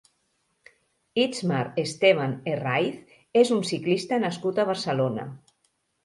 Itmar Esteban Herraiz és un ciclista nascut a Barcelona.